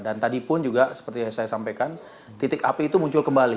dan tadi pun juga seperti yang saya sampaikan titik api itu muncul kembali